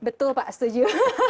betul pak setuju